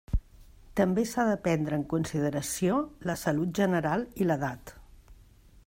També s'ha de prendre en consideració la salut general i l'edat.